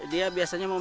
dia biasanya membeli